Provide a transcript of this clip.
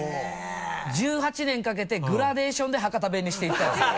１８年かけてグラデーションで博多弁にしていったんですよ。